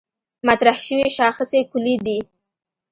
مطرح شوې شاخصې کُلي دي.